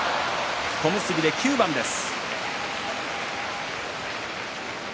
小結で９番です。